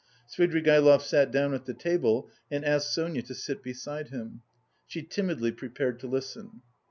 Svidrigaïlov sat down at the table and asked Sonia to sit beside him. She timidly prepared to listen.